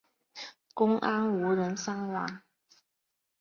公安无人伤亡。